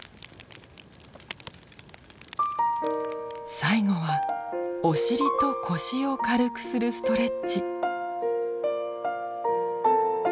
最後はお尻と腰を軽くするストレッチ。